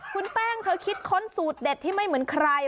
คุณแป้งเธอคิดค้นสูตรเด็ดที่ไม่เหมือนใคร